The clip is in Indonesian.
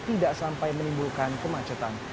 tidak sampai menimbulkan pemacetan